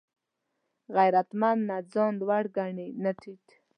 غیرتمند نه ځان لوړ ګڼي نه ټیټ